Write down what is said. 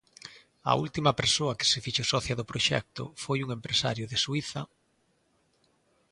A última persoa que se fixo socia do proxecto foi un empresario de Suíza.